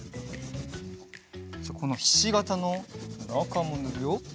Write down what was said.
このひしがたのなかもぬるよ。